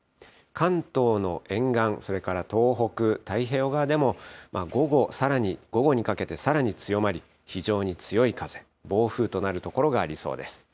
関東の沿岸、それから東北太平洋側でも午後、さらに午後にかけて、さらに強まり、非常に強い風、暴風となる所がありそうです。